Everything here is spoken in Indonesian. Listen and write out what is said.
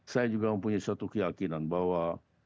saya juga mempunyai suatu keyakinan bahwa